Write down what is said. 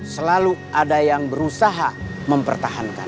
selalu ada yang berusaha mempertahankan